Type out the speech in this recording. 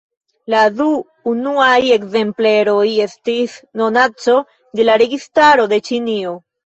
La du unuaj ekzempleroj estis donaco de la registaro de Ĉinio.